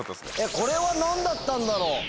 これは何だったんだろう？